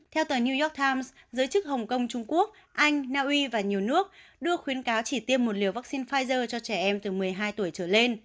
theo tờ new york times giới chức hồng kông trung quốc anh naui và nhiều nước đưa khuyến cáo chỉ tiêm một liều vaccine pfizer cho trẻ em từ một mươi hai tuổi trở lên